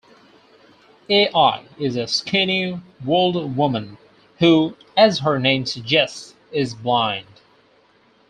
Al is a skinny old woman who, as her name suggests, is blind.